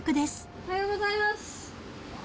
おはようございます。